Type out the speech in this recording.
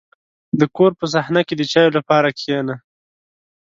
• د کور په صحنه کې د چایو لپاره کښېنه.